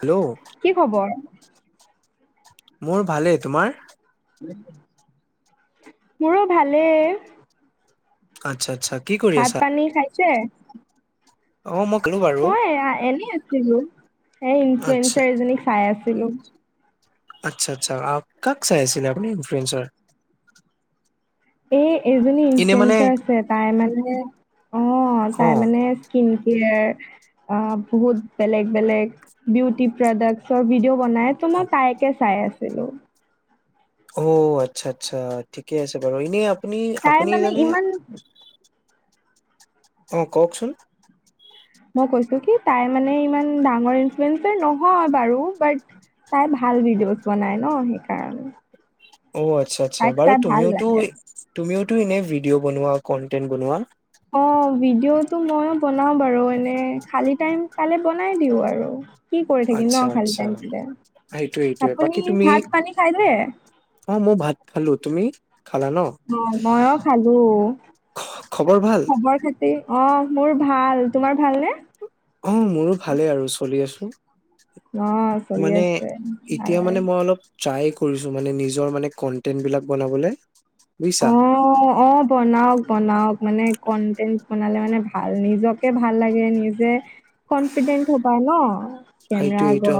Hello কি খবৰ? মোৰ ভালেই। তোমাৰ? মোৰো ভালেই। আটচ্ছা আচ্ছা। কি কৰি ভাত পানী খাইছে? অঁ, ম মই এয়া এনেই আ ছিলো। এ আচ্ছা ইনফ্লুৱেঞ্চাৰ এজনীক চাই আছো। [unintelligible] আচ্ছা আচ্ছা, আহ কাক চাই আছিলে আপুনি ইনফ্লোৱেঞ্চাৰ? এ এই এজনী ইনফ্লুৱেঞ্চাৰ আছে তাই মানে, অ, অ তাই মানে স্কিন কেয়াৰ অ', বহুত বেলেগ বেলেগ বিউটি প্ৰডাক্টচৰ ভিডিঅ' বনাই ত' মই তাইকে চাই আছিলোঁ। অ' আচ্ছা আচ্ছা, ঠিকে আছে বাৰু এনে আ তাই মানে ইমান অ', কওঁকচোন। মই কৈছোঁ কি তাই মানে ইমান ডাঙৰ ইনফ্লুৱেঞ্চাৰ নহয় বাৰু, বাট, তাই ভাল ভিডিঅ'জ বনাই ন' সেইকাৰণে। [inaudible] অ', আচ্ছা আচ্ছা, তাইক বাৰু চাই ভাল তুমিওতো, লাগে। তুমিও তুমি এনে ভিডিঅ' বনোৱা, কনটেন্ট বনোৱা? অ', ভিডিঅ'টো মইও বনাও বাৰু এনে এ খালী টাইম পালে বনাই দিওঁ আৰু। কি কৰি থাকিম ন খালি আচ্ছা-আচ্ছা, টাইমতে। সেইটোৱে- সেইটোৱে আপুনি বাকী তুমি ভাত পানী খালে? অহ ', মই ভাত খালো তুমি? খালা ন অহ ', মইও খালো। খ- খবৰ ভাল খবৰ খাতি অহ ', মোৰ ভাল, তোমাৰ ভালনে? অহ ', মোৰো ভালে আৰু চলি আছো। অ', [inaudible] চলি মানে আছে ভাল এতিয়া আৰু। মানে মই অলপ ট্ৰাই কৰিছো মানে নিজৰ মানে কণ্টেণ্ট বিলাক বনাবলে। বুজিছা অহ ', - অহ ', বনাওক - বনাওক মানে কণ্টেণ্ট বনালে মানে ভাল, নিজকে ভাল লাগে নিজে কনফিডেন্ট হবায় ন? কেমেৰা সেইটোৱে এইটো আগত,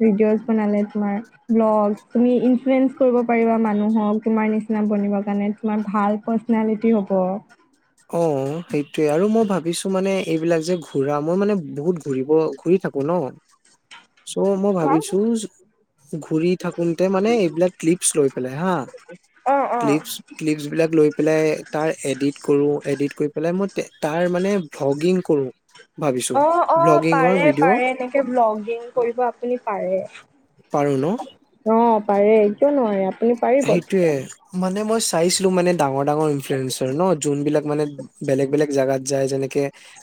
ভিডিঅ বনালে তোমাৰ ব্লগছ, তুমি ইনফ্লুৱেন্ঞ্চ কৰিব পাৰিবা মানুহক তোমাৰ নিচিনা বনিব নে তোমাৰ ভাল পাৰ্চনেলিটি হ'ব। অহ', সেইটোৱে আৰু মই ভাবো কিছুমানে মানে এইবিলাক যে ঘূৰা মই মানে বহুত ঘূৰিব ঘূৰি থাকো ন। চ' মই ভাবিছো ঘুৰি থাকোতে মানে এইবিলাক ক্লিপছ লৈ পেলাই হা অ অ ক্লিপছ - ক্লিপছ বিলাক লৈ পেলাই তাৰ এডিত। কৰো এডিট কৰি পেলাই মই। তাৰ মানে ভ্লগিং কৰো। ভাবিছো অহ ', - অহ', ভ্লগিঙৰ পাৰে ভিডিঅ' -পাৰে এনেকে ভ্লগিং কৰিব আপুনি পাৰে। পাৰো ন। অহ ', পাৰে কিয় নোৱাৰে আপুনি পাৰিব অ সেইটোয়ে মানে মই চাইছিলো মানে ডাঙৰ। ডাঙৰ এনফেৰেঞ্চৰ নহ জোনবিলাক মানে। বেলেগ-বেলেগ জাগাত যায় যেনেকে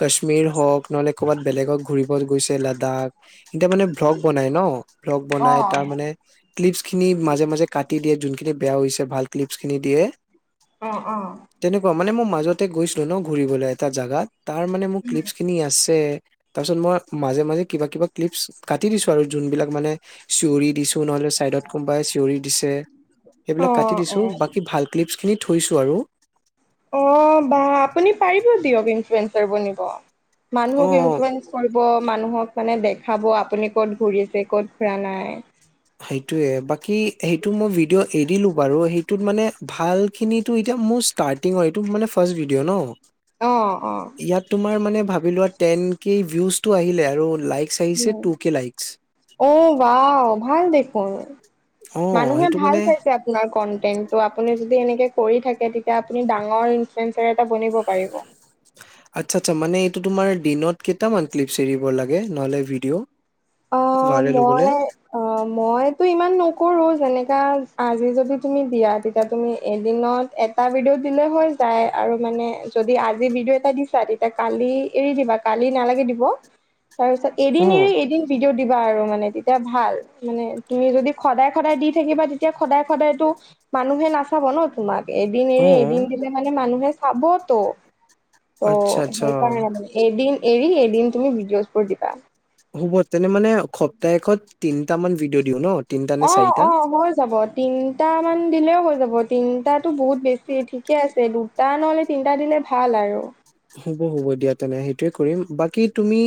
কাশ্মীৰ হওঁক নহ'লে ক'ৰবাত বেলেগত ঘূৰি। কোনবাই গৈছে লাডাখ। এতিয়া মানে ভ্লগ বনাই ন ভ্লগ বনাই তাৰ মানে ক্লিপছ খিনি মাজে-মাজে কাটি। দি, দিয়ে যোনখিনি বেয়া হৈছে ভাল ক্লিপছ খিনি দিয়ে। অহ ', - অহ ', তেনেকুৱা মানে মই মাজতে গৈছিলো ন ঘুৰিবলৈ এটা জাগাত। তাৰ মানে মোৰ ক্লিপছ খিনি আছে। তাৰপিছত মই মাজে-মাজে কিবা-কিবা ক্লিপছ কাটি দিছোঁ আৰু যোনবিলাক মানে চিঞৰি দিছোঁ নহ'লে চাইডত কোনোবাই চিঞৰি দিছে। সেইবিলাক অ কাটি দিছোঁ, অ বাকী ভাল ক্লিপছ খিনিত থৈছোঁ আৰু। অ বা আপুনি পাৰিব দিয়ক ইন ফানঞ্জাৰ বনিব। অ মানুহক ইনফ্লেন্ কৰিব। কব, মানুহক মানে দেখাব আপুনি ক'ত ঘুৰিছে ক'ত ঘুৰা নাই। সেইটোয়ে। বাকী সেইটো মই ভিডিঅ' এৰিলো বাৰু। সেইটোত মানে ভালখিনি টোএতিয়া মোৰ ষ্টাৰ্টিঙৰ এইটো মানে ফাৰ্ষ্ট ভিডিঅ' ন। অ' অ' ইয়াত তোমাৰ। মানে ভাবিলো আৰু। তেইন কে ভিউছ টো আহিলেই আৰু লাইক। অ ৱাও ভাল দেখ পৰ অ মানুহে সেইটো ভাল মানে পাইছে। আপোনাৰ কন্টেন্ টো আপুনি যদি। যদি এনেকে কৰি থাকে তেতিয়া আপুনি ডাঙৰ ইনঞ্চনচ। আচ্ছা আচ্ছা মানে এইটো তোমাৰ দিনত। কেইটামান ক্লিপছ এৰিব লাগে নহ'লে ভিডিঅ' অ ভাইৰেল মই হবলে অ মইতো ইমান নকৰো যেনেকা আজি যদি তুমি দিয়া তেতিয়া তুমি এদিনত এটা ভিডিঅ' দিলে হৈ যায় আৰু মানে যদি আজি ভিডিঅ' এটা দিছা তেতিয়া কালি এৰি দিবা কালি নালাগে দিব তাৰপিছত এদিন অ এৰি এদিন দিও দিবা আৰু মানে তেতিয়া ভাল মানে তুমি যদি সদায় সদায় দি থাকিবা তেতিয়া সদায় সদায়টো মানুহে নাচাব ন তোমাক এদিন অ এৰি এদিন দিলে মানে মানুহে চাবত তো ত আচ্ছা আচ্ছা সেইকাৰণে মানে এদিন এৰি এদিন তুমি ভিডিঅ'জবোৰ দিবা শুবত তেনে মানে সপ্তাহেষত তিনিটা মান ভিডিঅ' দিওঁ ন তিনটা নে অ চাৰিটা অ হৈ যাব তিনটা মান দিলেও হৈ যাব তিনিটাত তো বহুত বেছি ঠিকে আছে দুটা নহলে তিনিটা দিলে ভাল আৰু হ'ব হ'ব দিয়া তেনে সেইটোৱে কৰিম বাকী তুমি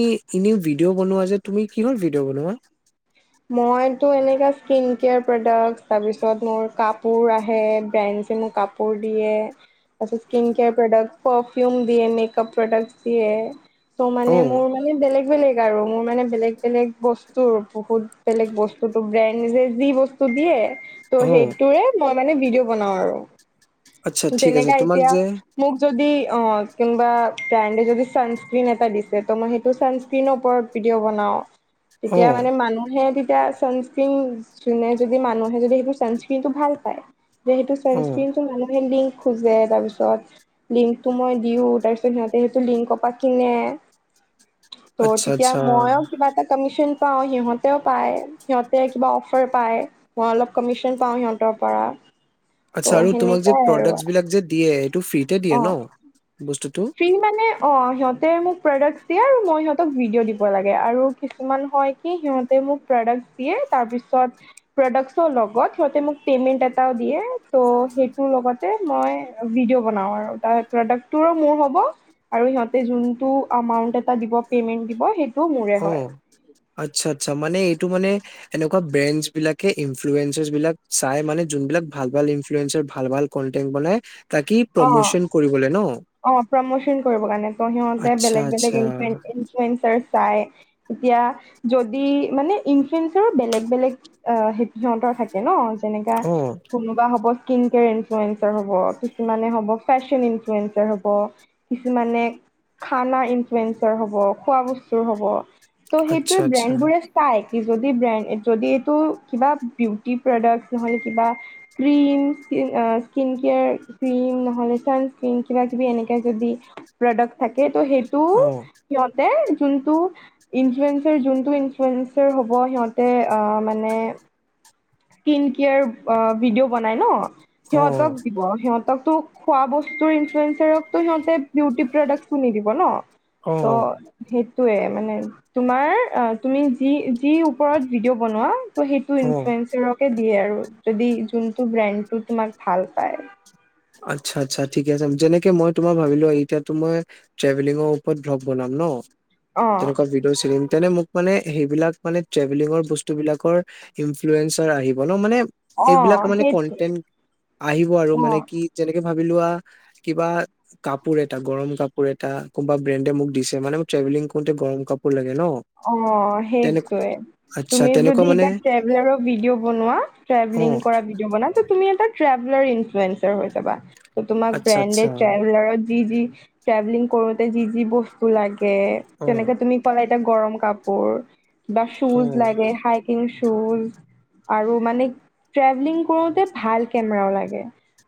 এনেও ভিডিঅ' বনোৱা যে তুমি কিহৰ ভিডিঅ' বনোৱা মইতো এনেকা স্কিন কেয়াৰ প্ৰডাক্ট তাৰপিছত মোৰ কাপোৰ আহে ব্ৰেণ্ড মোক কাপোৰ দিয়ে তাছত স্কিন কেয়াৰ প্ৰডাক্ট পফিউম দিয়ে মেকআপ প্ৰডাক্ট দিয়ে ত' অ মানে মোৰ মানে বেলেগ বেলেগ আৰু মোৰ মানে বেলেগ বেলেগ বস্তুৰ বহুত বেলেগ বস্তুতো ব্ৰেণ্ড যে যি বস্তু দিয়ে ত অ সেইটোৰে মই মানে ভিডিঅ' বনাওঁ আৰু আচ্ছা ঠিক আছে যেনেকা তোমাক এতিয়া, যে মোক যদি অ', কোনবা ব্ৰেণ্ডে যদি সানস্ক্ৰিন এটা দিছে ত' মই সানস্ক্ৰিনৰ ওপৰত ভিডিঅ বনাওঁ। অ তেতিয়া মানে মানুহে তেতিয়া ছানস্ক্ৰিন যোনে যদি মানুহে যদি সেইটো ছানস্ক্ৰিনটো ভাল পায় যিহেতু অ ছানস্ক্ৰিনটো মানুহে লিংক খোজে, তাৰপিছত লিংকটো মই দিওঁ, তাৰপিছত সিহঁতে সেইটো লিংকৰ পৰা কিনে। ত' আচ্ছা তেতিয়া আচ্ছা মইয়ো কিবা এটা কমিচ চন পাওঁ, সিহঁতে পায়, সিহঁতে কিবা অফাৰ পায় মই অলপ কমিছন পাওঁ সিহঁতৰ পৰা। আতচ্ছা ত' আৰু তোমাক যে, সেনেকাই আৰু প্ৰডাক্টচ বিলাক যে, দিয়ে ফ্ৰিতে দিয়ে ন? অ বস্তু ফ্ৰী মানে অ', সিহঁতে মোক প্ৰডাক্টচ দিয়ে, মই সিহঁতক ভিডিঅ' দিব লাগে আৰু কিছুমান হয়, কি সিহঁতে মোক প্ৰডাক্ট দিয়ে, তাৰ পিছত প্ৰডাক্টছৰ লগত সিহঁতে মোক পেমেণ্ট এটাও দিয়ে, ত' সেইটোৰ লগতে মই ভিডিঅ' বনাওঁ আৰু তাৰ প্ৰডাক্টটোৰো মোৰ হ'ব আৰু সিহঁতে যোনটো আমাউনত এটা দিব, পেমেণ্ট দিব সে অ', আচ্ছা আচ্ছা, মানে এইটো মানে এনেকুৱা ব্ৰেনচ বিলাকে ইনফ্লুৱেনঞ্চাৰচ বিলাক চাই মানে, যোনবিলাক ভাল ভাল ইনফ্লুৱেঞ্চাৰ ভাল ভাল কন্টেন্ট বনাই তাকি অ প্ৰমোচন কৰিবলৈ ন'। অ', প্ৰমোচন কৰিব কাৰণে, ত' সিহঁতে আচ্ছা বেলেগ বেলেগ আচ্ছা ইনফ্লুৱেঞ্চাৰ চাই, এতিয়া যদি মানে ইনফ্লুয়েঞ্চাৰো বেলেগ বেলেগ অ', সিহতঁৰ থাকে ন', যেনেকা অ কোনোবা হ'ব স্কিন কেয়াৰ ইনফ্লুৱেঞ্চাৰ হ'ব, কিছুমানে হ'ব ফেশ্বন ইনফ্লয়েঞ্চা হ'ব কিছুমানে খানা ইনফ্লয়েঞ্চাৰ হ'ব, খোৱা বস্তুৰ হ'ব। ত' আচ্ছা সেইটোৱে ব্ৰেণ্ড আচ্ছা বোৰে চাই। যদি ব্ৰেণ্ড যদি এইটো কিবা, বিউটি প্ৰডাক্ট নহ'লে কিবা ক্ৰীম, স্কিন কেয়াৰ ক্ৰীম, নহ'লে চান স্কিন কিবা কিবি এনেকা যদি প্ৰডাক্ট থাকে ত' সেইটো অ সিহঁতে কিন্তু ইনফ্লুৱেঞ্চাৰ, যোনটো ইনফ্লুৱেঞ্চাৰ হ'ব সিহঁতে অ', মানে স্কিন কেয়াৰ অ', ভিডিঅ' বনাই ন'। অ সিহঁতক দিব, সিহঁতক তোক খোৱা বচ তোৰ ইনফ্লুৱেঞ্চাৰকটো সিহঁতে বিউটি প্ৰডাক্টবোৰ নিদিব ন', অ ত' সেই য়ে, মানে তোমাৰ অ', তুমি যি যি, ওপৰত ভিডিঅ' বনোৱা ত' সেইটো অ ইনফ্লুৱেঞ্চ দিয়ে আৰু যদি যোনটো ব্ৰেণ্ডটো তোমাক ভাল পায়। আচ্ছা আচ্ছা ঠিক আছে যেনেকে মই তোমাৰ ভাবিলো এতিয়া মই ট্ৰেভেলিঙৰ ওপৰত ব্লগ বনাম ন। অ তেনেকুৱা ভিডিঅ' চিৰিম তেনে মোক মানে সেইবিলাক মানে ট্ৰেভেলিঙৰ বস্তু বিলাকৰ ইনফ্লুয়েঞ্চাৰ আহিব ন মানে। অ এইবিলাক মানে সেইটোৱে কন্টেন্ট আহিব আৰু মানে অ এনেকে ভাবি লোৱা কিবা কাপোৰ এটা গৰম কাপোৰ এটা কোনোবা ব্ৰেণ্ডে মোক দিছে মানে মোক ট্ৰেভেলিং কৰোতে গৰম কাপোৰ লাগ অ সেইটোয়ে আচ্ছা তুমি তেনেকুৱা যদি মানে ট্ৰেভেলাৰ ভিডিঅ বনোৱা অ ট্ৰেভেলিং কৰা ভিডিঅ বনোৱা তুমি এটা ট্ৰেভেলাৰ ইনফ্লুৱেঞ্চাৰ হৈ যাবা। ত তোমাক আচ্ছা ব্ৰেণ্ডেডে আচ্ছা ট্ৰেভেলাৰত যি যি ট্ৰেভেলিং কৰোতে যি যি বস্তু লাগ গে অ তেনেকে তুমি পালাইত গৰম কাপোৰ। বা অ শুজ লাগে হাইকিং টোল আৰু মানে ট্ৰেভেলিং কৰোতে ভাল কেমেৰাও লাগে।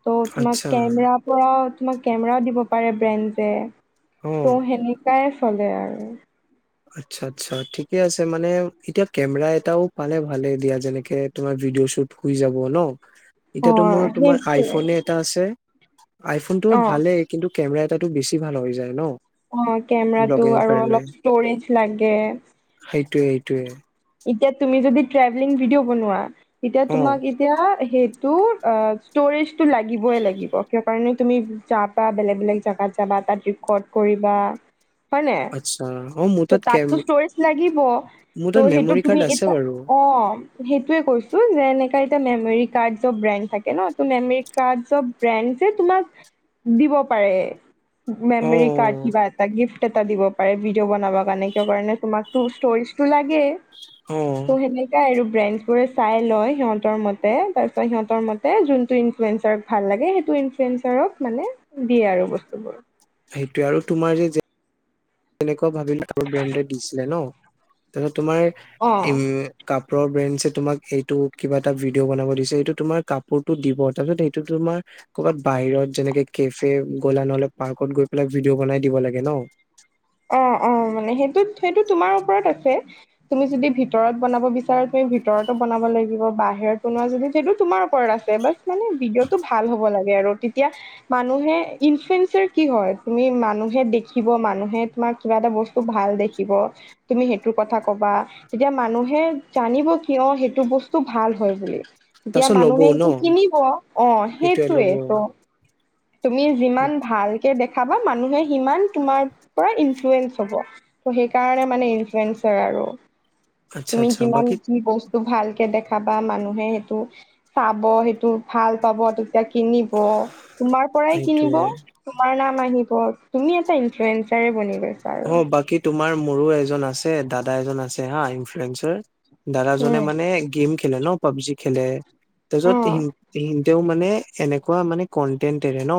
তহ তোমাক আচ্ছা কেমেৰা পৰা তোমাক কেমেৰাও দিব পাৰে ব্ৰেণ্ডে। অ তহ' সেনেকাই চলে আৰু। আচ্ছা, আচ্ছা ঠিকে আছে মানে এতিয়া কেমেৰা এটাও পালে ভালে দিয়া যেনেকে তোমাৰ ভিডিঅ' শ্বুত হৈ যাব ন। অ এতিয়াতো মোৰ তোমাৰ সেইটোৱে আইফ'নে এটা আছে। আইফোনটো অ', ভালেই কিন্তু কেমেৰা টো বেছি ভাল হৈ যায় ন। অহ' কেমেৰাটো ব্লগিঙৰ আৰু কাৰণে অলপ ষ্টৰেজ লাগে। সেইটোৱে এইটোৱে। এতিয়া তুমি যদি ট্ৰেভেলিং ভিডিঅ' বনোৱা এতিয়া অ তোমাক এতিয়া সেই টো অহ ষ্টৰেজটো লাগিবই লাগিব, কিয় কাৰণে তুমি যাবা বেলেগ বেলেগ জগাত যাবা তাত ৰেকৰ্ড কৰিবা হয় নাই? আচ্ছা অ মোৰ ত তাত কেম তাততো ষ্টৰেজ লাগিব। মোৰ তাত তহ সেইটো মেমৰি কাৰ্ড তুমি আছে এটা, বাৰু অহ সেইটোৱে কৈছো যে এনেকা এতিয়া মেমৰী কাৰ্ড ৰ বেণ্ড থাকে ন, মেমৰী কাৰ্ড ৰ বেন্দে তোমাক দিব পাৰে। অ মেমৰি কাৰ্ড কিবা এটা গিফ্ট এটা দিব পাৰে ভিডিঅ' বনাব কাৰণে, কিয় কাৰণে তোমাক টো ষ্টোৰেজ টো লাগে। লাগে। অ তহ সেনেকাই আৰু। ফ্ৰেণ্ডবোৰে চাই লয়, সিহঁতৰ মতে তাৰপিছত সিহঁতৰ মতে যোনটো ইনফুৰেঞ্চাৰ ভাল লাগে, সেইটো ইনফুৰেঞ্চাৰক মানে দিয়ে আৰু বস্তুবোৰ। সেইটোয়ে আৰু তোমাৰ যে যে তেনেকুৱা ভাবিলো আৰু ব্ৰেণ্ড দিছিলে ন, তাৰপিছত তোমাৰ অ' উম কাপ [unintelligible] ‌ বেঞ্চে তোমাক এইটো কিবা এটা ভিডিঅ' বনাব দিছে এইটো তোমাৰ কাপোৰটো দিব, তাৰপিছত এইটো তোমাৰ ক'বাত বাহিৰত যেনেকে কেফে গ'লা, নহ'লে পাৰ্কত গৈ পেলাই ভিডিঅ' বনাই দিব লাগে ন। অ', অ', মানে সেইটো, সেইটো তোমাৰ ওপৰত আছে, তুমি যদি ভিতৰত বনাব বিচাৰা তুমি ভিতৰতো বনাব লাগিব, বাহিৰত বনোৱা যদি সেইটো তোমাৰ ওপৰত আছে বাচ মানে ভিডিঅ'টো ভাল হ'ব লাগে আৰু তেতিয়া মানুহে ইনফ্লুঞ্চাৰ কি হয়, তুমি মানুহে দেখিব মানুহে তোমাৰ কিবা এটা বস্তু ভাল দেখিব, তুমি সেইটোৰ কথা ক'বা তেতিয়া মানুহে জানিব কিয় সেইটো বস্তু ভাল হয়, বুলি এতিয়া তাৰপিছত ল'বও মানুহে ন এইটো কিনিব, অ', সেইটোৱে ল'ব সেইটোৱেটো। তুমি যিমান ভালকে দেখ চাবা মানুহে সিমান তোমাৰ পৰা ইনফ্লুয়েঞ্চ হ'ব, তহ সেইকাৰণে মানে ইনফ্লুয়েঞ্চাৰ আৰু। আচ্ছা তুমি আচ্ছা যিমান বাকী যি বচ টো, ভালকে দেখাবা মানুহে সেইটো চাব, সেইটো ভাল পাব তেতিয়া কিনিব তোমাৰ পৰাই কিনিব, সেইটোৱে তোমাৰ নাম আহিব। তুমি এটা ইনফ্লুয়েঞ্চাৰে বনিবা। অ', বাকী তোমাৰ মোৰো এজন আছে দাদা এজন আছে হা, ইনফ্লুৱেনঞ্চাৰ। দাদাজনে উম, মানে গেম খেলে ন! পাবজি খেলে অ', [unintelligible] তেওঁ মানে এনেকুৱা মানে কন্টেন্টৰে ন!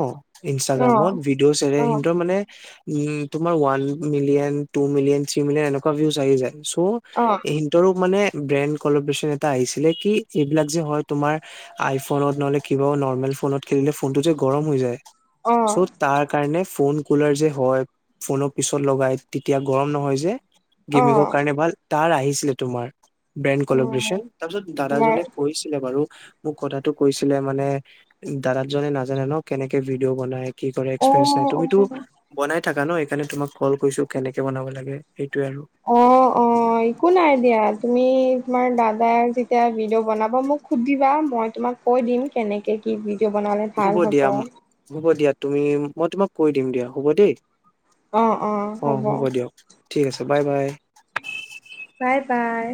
ইনষ্টাগ্ৰামত অ', ভিডিঅ'ছ এৰে অ', সিহতৰ মানে উম তোমাৰ one one million two million three million view আহি যায়, অ', সিহতৰ মানে ব্ৰেণ্ড কলব্ৰেচন এটা আহিছিলে কি এইবিলাক যে, হয় তোমাৰ আইফোনত নহলে কিবা নৰ্মেল ফোনত খেলিলে ফোনতটো যে গৰম হৈ যায় অ', চ অ', তাৰ কাৰণে, ফোন কলাৰ যে হয় ফোন, পিছত লগাই তেতিয়া গৰম নহয় যে, গেমিংৰ অ', কাৰণে ভাল, তাৰ আহিছিলে তোমাৰ, ব্ৰেণ্ড কলব্ৰচন তাৰপিছত দাদাজনে কৈছিলে বাৰু, মোক কথাতটো কৈছিলে মানে দাদাত জনে নাজানে ন কেনেকে ভিডিঅ' বনাই কি কৰে একসপৰিয়েঞ্চ নাই তুমিতো অ', অ'। বনাই থাকা ন সেই কাৰনে তোমাক কল কৈছো কেনেকে বনাব লাগে সেইটোয়ে আৰু অ অ একো নাই দিয়া তুমি তোমাৰ দাদাই যেতিয়া ভিডিঅ' বনাব মোক সুধিবা মই তোমাক কৈ দিম কেনেকে কি ভিডিঅ' বনালে ভাল হ'ব দিয়া হ'ব দিয়াত তুমি মই তোমাক কৈ দিম দিয়া হ'ব দেই অ অ হ'ব ঠিক আছে বাই বাই বাই বাই